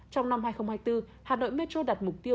trong năm hai nghìn hai mươi bốn hà nội metro đặt mục tiêu